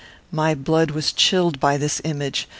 My blood was chilled by this image.